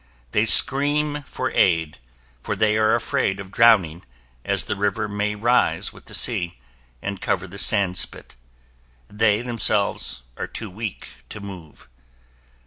They scream for aid for they are afraid of drowning as the river may rise with the sea, and cover the sand spit. They themselves are too weak to move.